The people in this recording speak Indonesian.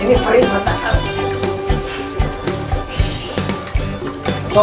ini perih mata kak